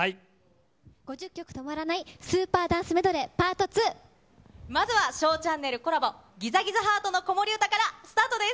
５０曲止まらないスーパーダまずはＳＨＯＷチャンネルコラボ、ギザギザハートの子守唄からスタートです。